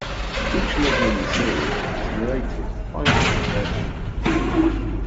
Each novel in the series is narrated by a different person.